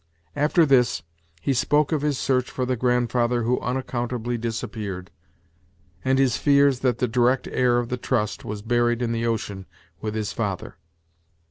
After this, he spoke of his search for the grandfather who unaccountably disappeared, and his fears that the direct heir of the trust was buried in the ocean with his father.